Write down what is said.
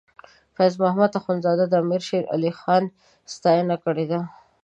فیض محمد اخونزاده د امیر شیر علی خان ستاینه کړې ده.